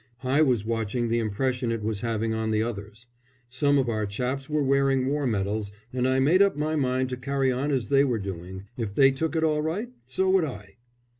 I was watching the impression it was having on the others. Some of our chaps were wearing war medals, and I made up my mind to carry on as they were doing. If they took it all right, so would I.